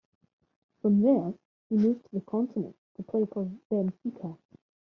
From there he moved to the continent to play for Benfica.